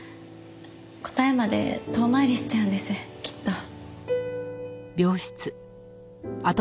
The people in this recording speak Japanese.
答えまで遠回りしちゃうんですきっと。